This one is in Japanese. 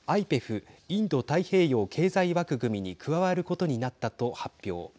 ＩＰＥＦ＝インド太平洋経済枠組みに加わることになったと発表。